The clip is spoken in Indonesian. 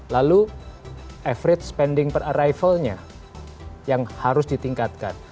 lalu average spending per arrival nya yang harus ditingkatkan